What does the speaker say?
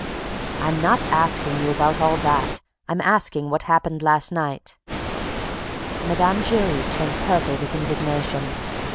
"I'm not asking you about all that. I'm asking what happened last night." Mme. Giry turned purple with indignation.